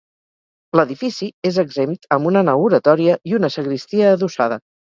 L'edifici és exempt, amb una nau oratòria i una sagristia adossada.